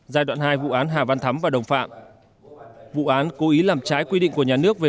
giai đoạn hai vụ án hà văn thắm và đồng phạm vụ án cố ý làm trái quy định của nhà nước về